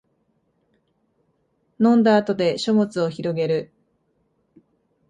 飲んだ後で書物をひろげる